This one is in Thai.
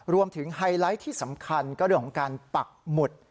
ไฮไลท์ที่สำคัญก็เรื่องของการปักหมุด